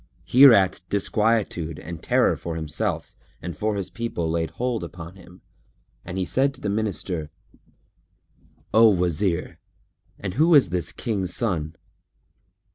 Hereat disquietude and terror for himself and for his people laid hold upon him and he said to the Minister, "O Wazir, and who is this King's son?"